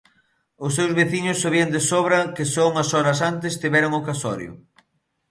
Os seus veciños sabían de sobra que só unhas horas antes tiveran o casorio;